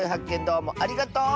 どうもありがとう！